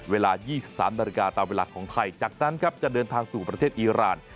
เวลา๒๓นาฬิกาตามเวลาของไทยจากนั้นครับจะเดินทางสู่ประเทศอีราน